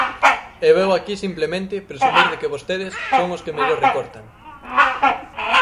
E veu aquí simplemente presumir de que vostedes son os que mellor recortan.